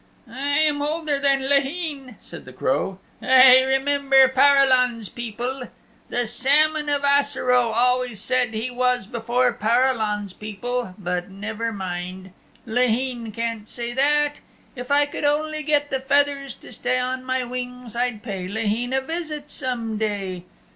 "I am older than Laheen," said the Crow. "I remember Paralon's People. The Salmon of Assaroe always said he was before Paralon's People. But never mind! Laheen can't say that. If I could only get the feathers to stay on my wings I'd pay Laheen a visit some day.